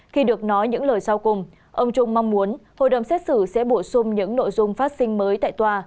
khi được nói những lời sau cùng ông trung mong muốn hội đồng xét xử sẽ bổ sung những nội dung phát sinh mới tại tòa